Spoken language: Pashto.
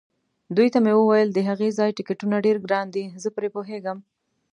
دوی ته مې وویل: د هغه ځای ټکټونه ډېر ګران دي، زه پرې پوهېږم.